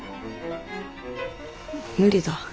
無理だ。